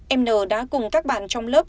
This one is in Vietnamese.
em n đã cùng các bạn trong lớp